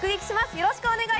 よろしくお願いい